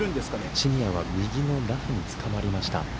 シニアは右のラフにつかまりました。